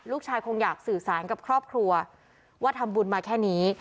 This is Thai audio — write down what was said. คงอยากสื่อสารกับครอบครัวว่าทำบุญมาแค่นี้